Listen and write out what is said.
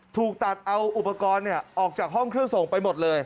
ถูกตัดเอาอุปกรณ์ออกจากห้องเครื่องส่งไปหมดเลย